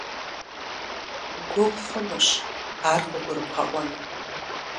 Гугъу хъунущ ар къыгурыбгъэӏуэну.